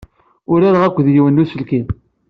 Urareɣ akked yiwen n uselkim.